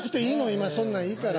今そんなんいいから。